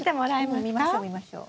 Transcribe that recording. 見ましょう見ましょう。